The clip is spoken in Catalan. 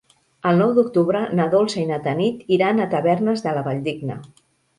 El nou d'octubre na Dolça i na Tanit iran a Tavernes de la Valldigna.